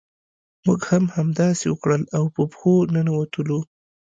موږ هم همداسې وکړل او په پښو ننوتلو.